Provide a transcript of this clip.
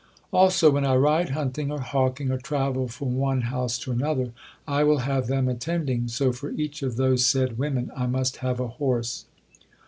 Also, when I ride hunting or hawking, or travel from one house to another, I will have them attending, so for each of those said women I must have a horse.